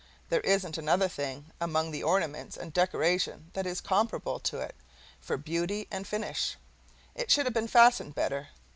There isn't another thing among the ornaments and decorations that is comparable to it for beauty and finish. It should have been fastened better.